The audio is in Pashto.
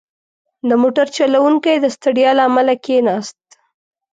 • د موټر چلوونکی د ستړیا له امله کښېناست.